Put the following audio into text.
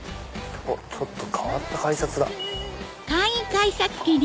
ちょっと変わった改札だ。